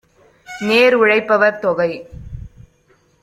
நேர்உழைப் பவர்தொகை!